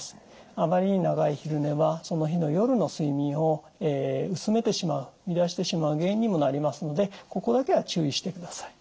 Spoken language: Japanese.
あまりに長い昼寝はその日の夜の睡眠を薄めてしまう乱してしまう原因にもなりますのでここだけは注意してください。